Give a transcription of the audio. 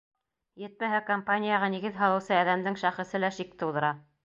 Етмәһә, компанияға нигеҙ һалыусы әҙәмдең шәхесе лә шик тыуҙыра.